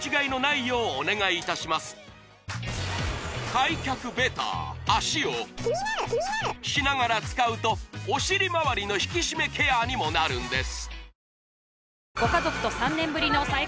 開脚ベター脚を○○しながら使うとお尻周りの引き締めケアにもなるんです